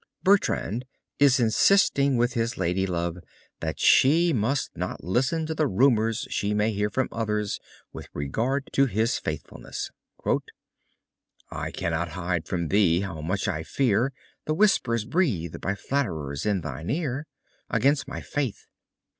Bertrand is insisting with his lady love that she must not listen to the rumors she may hear from others with regard to his faithfulness. I cannot hide from thee how much I fear The whispers breathed by flatterers in thine ear Against my faith.